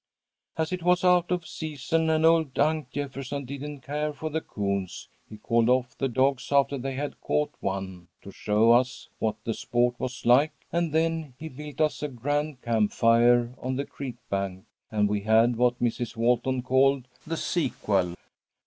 "As it was out of season and old Unc' Jefferson didn't care for the coons, he called off the dogs after they had caught one, to show us what the sport was like, and then he built us a grand camp fire on the creek bank, and we had what Mrs. Walton called the sequel.